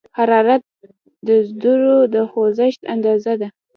حرارت د ذرّو د خوځښت اندازه ده.